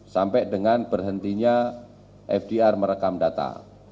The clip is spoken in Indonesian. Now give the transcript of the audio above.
sampai dengan berhentinya fdr merekam data